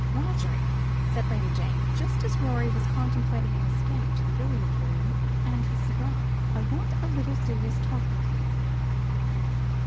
"Roderick," said Lady Jane, just as Rorie was contemplating an escape to the billiard room and his cigar, "I want a little serious talk with you."